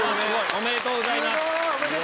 おめでとうございます。